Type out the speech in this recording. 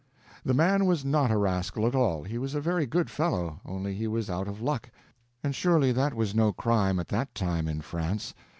The man was not a rascal at all. He was a very good fellow, only he was out of luck, and surely that was no crime at that time in France.